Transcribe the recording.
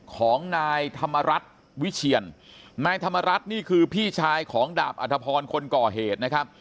ของนายธรรมรัฐวิเชียนนายธรรมรัฐนี่คือพี่ชายของดาบอัธพรคนก่อเหตุนะครับ